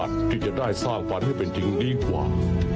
ที่จะได้สร้างฝันให้เป็นดินดีกว่า